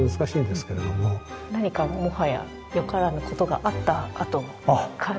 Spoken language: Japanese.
何かもはやよからぬことがあったあとの感じ？